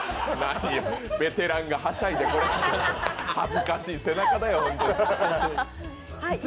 ベテランがはしゃいで恥ずかしい背中だよ。